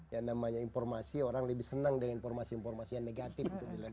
yang namanya informasi orang lebih senang dengan informasi informasi yang negatif